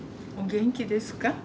お元気ですか？